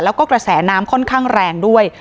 แล้วก็กระแสน้ำค่อนข้างแรงด้วย